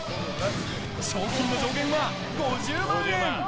賞金の上限は５０万円。